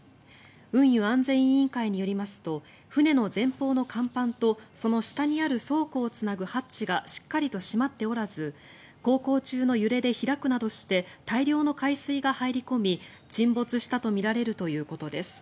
運輸安全委員会によりますと船の前方の甲板とその下にある倉庫をつなぐハッチがしっかりと閉まっておらず航行中の揺れで開くなどして大量の海水が入り込み沈没したとみられるということです。